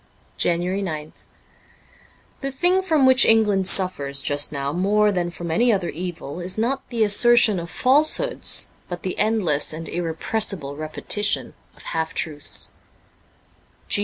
JANUARY 9th THE thing from which England suffers just now more than from any other evil is not the assertion of falsehoods, but the endless and irrepressible repetition of half truths.